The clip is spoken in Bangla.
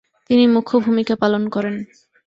তিনি মুখ্য ভূমিকা পালন করেন।